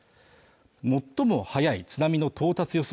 最も早い津波の到達予想